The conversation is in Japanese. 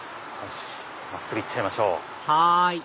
真っすぐ行っちゃいましょう。